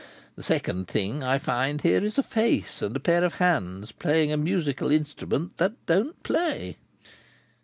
The second thing I find here is a face, and a pair of hands playing a musical instrument that don't play!"